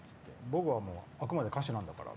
僕はあくまでは歌手なんだから。